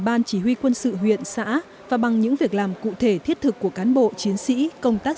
ban chỉ huy quân sự huyện xã và bằng những việc làm cụ thể thiết thực của cán bộ chiến sĩ công tác